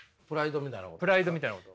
プライドみたいなこと。